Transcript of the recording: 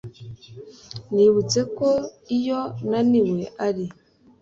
nibutse ko iyo naniwe ari